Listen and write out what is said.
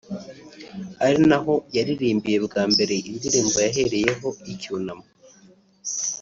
ari naho yaririmbiye bwa mbere indirimbo yahereyeho y’icyunamo